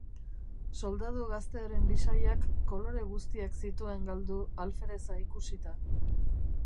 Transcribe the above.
Soldadu gaztearen bisaiak kolore guztiak zituen galdu alfereza ikusita.